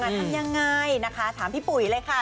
ทำยังไงนะคะถามพี่ปุ๋ยเลยค่ะ